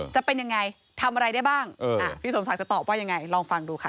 จะเป็นยังไงทำอะไรได้บ้างพี่สมศักดิ์จะตอบว่ายังไงลองฟังดูค่ะ